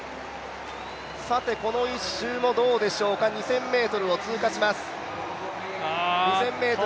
この１周もどうでしょうか、２０００ｍを通過します。